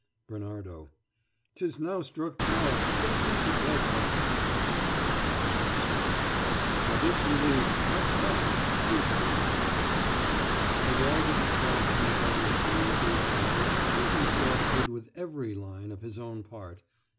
Bernardo: 'Tis now struck twelve: get thee to bed, Francisco. Francisco: For this relief much thanks: 't is bitter cold. And all that he tried to make others do with these lines he himself did with every line of his own part.